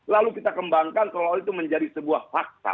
lalu kita kembangkan kalau itu menjadi sebuah fakta